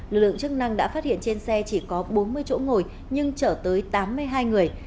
lực lượng chức năng đã phát hiện trên xe chỉ có bốn mươi chỗ ngồi nhưng chở tới tám mươi hai người